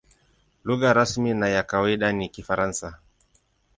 Lugha rasmi na ya kawaida ni Kifaransa.